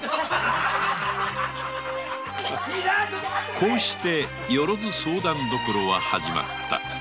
こうして「よろづ相談処」は始まった。